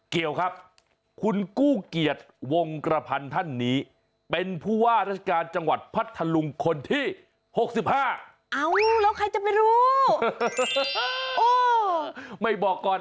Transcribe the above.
เกี่ยวครับคุณกู้เกียรติวงกระพันธุ์ท่านนี้เป็นภูวารัชกาลจังหวัดพัทธาลุงคนที่๖๕